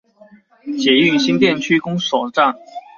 捷運新店區公所站